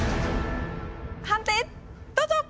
判定どうぞ！